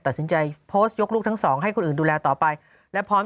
ตัดสินใจโพสต์ยกลูกทั้งสองให้คนอื่นดูแลต่อไปและพร้อม